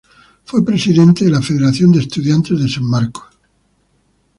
Fue Presidente de la Federación de Estudiantes de San Marcos.